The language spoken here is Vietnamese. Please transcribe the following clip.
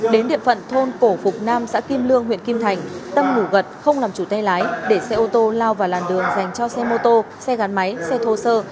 đến địa phận thôn cổ phục nam xã kim lương huyện kim thành tâm ngủ gật không làm chủ tay lái để xe ô tô lao vào làn đường dành cho xe mô tô xe gắn máy xe thô sơ